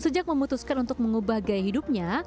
sejak memutuskan untuk mengubah gaya hidupnya